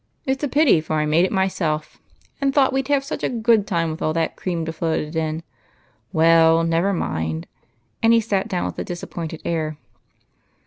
It 's a pity, for I made it myself, and thought we'd have such a good time with all that cream to float it in. Well, never mind." And he sat down with a disappointed air.